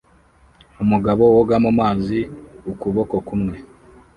Umugabo woga mu mazi ukuboko kumwe